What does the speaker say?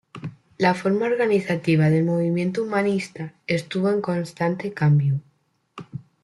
La forma organizativa del Movimiento Humanista estuvo en constante cambio.